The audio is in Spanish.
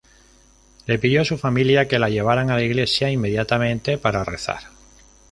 Le pidió a su familia que la llevaran a la iglesia inmediatamente para rezar.